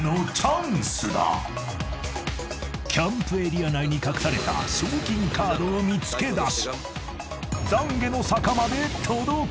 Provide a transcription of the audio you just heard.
［キャンプエリア内に隠された賞金カードを見つけだし］